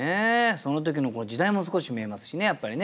その時の時代も少し見えますしねやっぱりね。